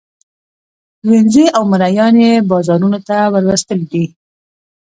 وینزې او مرییان یې بازارانو ته وروستلي دي.